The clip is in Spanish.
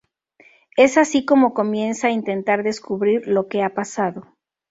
Es así como comienza a intentar descubrir lo que ha pasado.